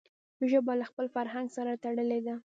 ژبه له خپل فرهنګ سره تړلي ده.